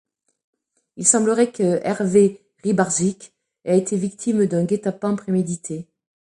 Il semblerait que Hervé Rybarczyk ait été victime d'un guet-apens prémédité.